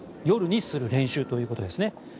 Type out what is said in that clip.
夜にする練習ということですね。